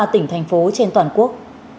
sáu mươi ba tỉnh thành phố trên toàn quốc